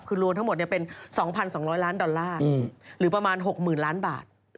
คือรวมทั้งหมดเป็น๒๒๐๐ล้านดอลลาร์หรือประมาณ๖๐๐๐ล้านบาท